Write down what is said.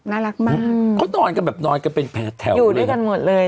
น่ารักมากเขานอนกันแบบนอนกันเป็นแผลแถวอยู่ด้วยกันหมดเลย